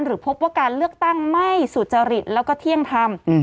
หรือพบว่าการเลือกตั้งไม่สูจริตและเที่ยงทำ